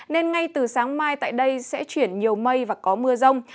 nên ngay từ sáng mai tại đây sẽ chuyển nhiều mây và có mưa rông